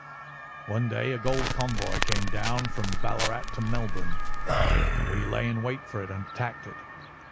"One day a gold convoy came down from Ballarat to Melbourne, and we lay in wait for it and attacked it.